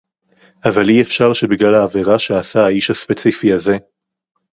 אבל אי-אפשר שבגלל העבירה שעשה האיש הספציפי הזה